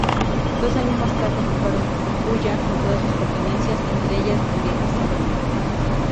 Dos años más tarde ocuparon Culla con todas sus pertenencias, entre ellas Benasal.